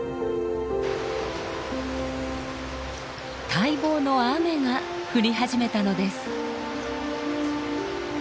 待望の雨が降り始めたのです。